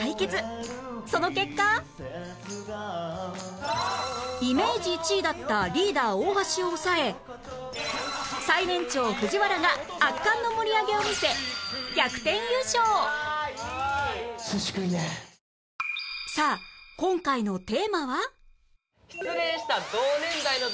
その結果イメージ１位だったリーダー大橋を抑え最年長藤原が圧巻の盛り上げを見せさあ今回の何？